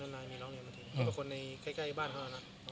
นานมีร้องเรียนประทีหนึ่ง